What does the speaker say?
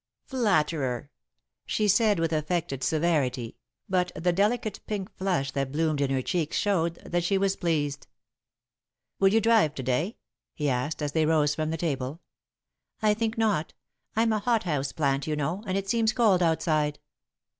"Flatterer!" she said, with affected severity, but the delicate pink flush that bloomed in her cheeks showed that she was pleased. "Will you drive to day?" he asked, as they rose from the table. "I think not. I'm a hot house plant, you know, and it seems cold outside."